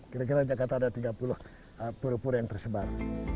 kira kira di jakarta ada tiga puluh pura pura yang tersebar